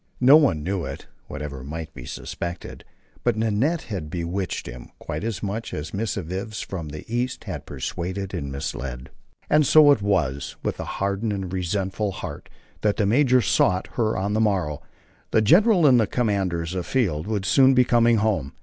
No one knew it, whatever might be suspected, but Nanette had bewitched him quite as much as missives from the East had persuaded and misled. And so it was with hardened and resentful heart that the major sought her on the morrow. The general and the commands afield would soon be coming home.